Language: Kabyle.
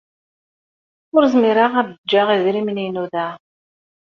Ur zmireɣ ad jjeɣ idrimen-inu da.